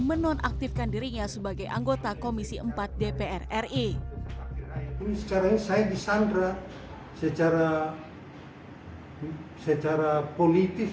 menonaktifkan dirinya sebagai anggota komisi empat dpr ri sekarang saya disandra secara politis